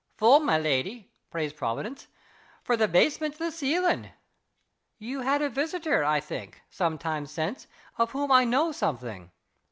"Full, my leddy (praise Providence), frae the basement to the ceiling." "You had a visitor, I think, some time since of whom I know something?